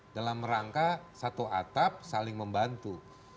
dalam rangka satu atap saling membantu